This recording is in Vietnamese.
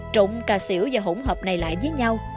trộn cà xỉu và hỗn hợp này lại với nhau